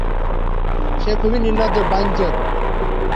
সে খুবই নির্লজ্জ, বাইনচোত।